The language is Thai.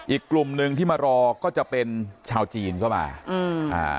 อีกกลุ่มหนึ่งที่มารอก็จะเป็นชาวจีนเข้ามาอืมอ่า